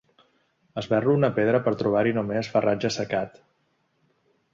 Esberlo una pedra per trobar-hi només farratge assecat.